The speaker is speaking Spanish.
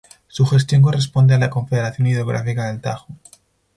Su gestión corresponde a la Confederación Hidrográfica del Tajo.